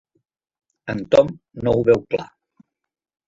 El Tom no ho veu clar.